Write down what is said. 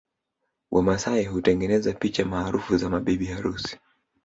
Wamasai hutengeneza picha maarufu za mabibi harusi